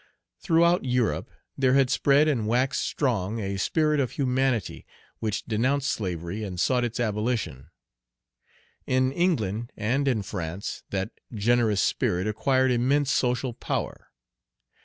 Throughout Europe there had spread and waxed strong a spirit of humanity, which denounced slavery and sought its abolition. In England and in France that generous spirit acquired immense social power.